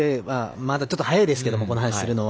まだちょっと早いですがこの話をするのは。